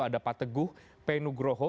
ada pak teguh penugroho